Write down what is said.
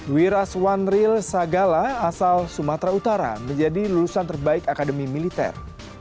wiraswanril sagala asal sumatera utara menjadi lulusan terbaik akademi militer